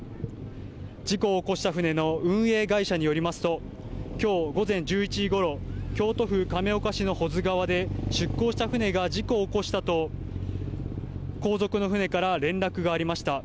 事故を起こした船の運営会社によりますと、きょう午前１１時ごろ、京都府亀岡市の保津川で、出航した船が事故を起こしたと、後続の船から連絡がありました。